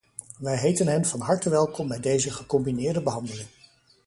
Wij heten hen van harte welkom bij deze gecombineerde behandeling.